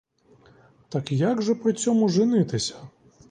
Так як же при цьому женитися?